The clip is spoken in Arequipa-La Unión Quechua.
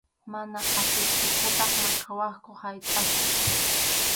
Mana atiptiykuta maqawaqku haytʼaspa.